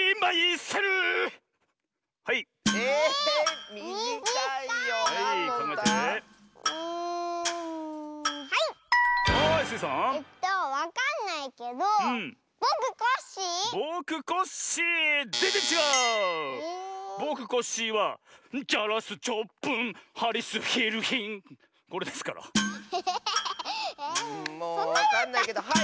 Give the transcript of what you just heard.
もうわかんないけどはい！